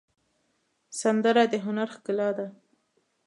سندره د هنر ښکلا ده